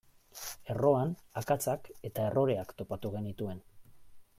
Erroan akatsak eta erroreak topatu genituen.